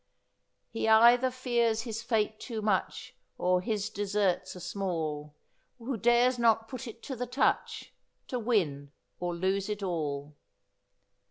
' He either fears his fate too much, Or his deserts are small, Who dares not put it to the touch, To win or lose it all.'